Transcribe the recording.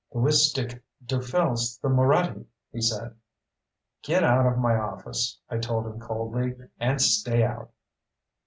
"The Wistick dufels the Moraddy," he said. "Get out of my office," I told him coldly, "and stay out."